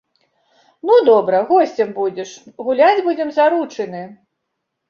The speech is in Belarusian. Ну добра, госцем будзеш, гуляць будзем заручыны.